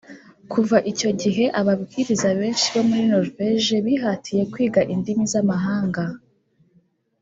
Kuva icyo gihe ababwiriza benshi bo muri Noruveje bihatiye kwiga indimi za mahanga